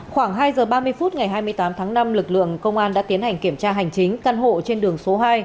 khoảng hai giờ ba mươi phút ngày hai mươi tám tháng năm lực lượng công an đã tiến hành kiểm tra hành chính căn hộ trên đường số hai